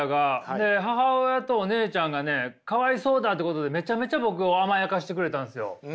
で母親とお姉ちゃんがねかわいそうだってことでめちゃめちゃ僕を甘やかしてくれたんですよ。